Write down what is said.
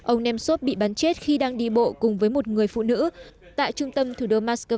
ông nemsov bị bắn chết khi đang đi bộ cùng với một người phụ nữ tại trung tâm thủ đô moscow